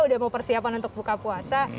udah mau persiapan untuk buka puasa